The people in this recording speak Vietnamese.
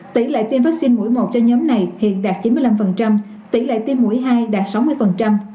tỷ lệ tiêm vaccine mũi một cho nhóm này hiện đạt chín mươi năm tỷ lệ tiêm mũi hai đạt sáu mươi